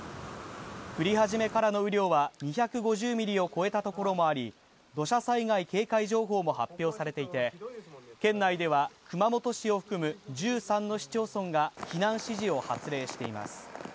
降り始めからの雨量は２５０ミリを超えたところもあり土砂災害警戒情報も発表されていて県内では熊本市を含む１３の市町村が１３の市町村が避難指示を発令しています。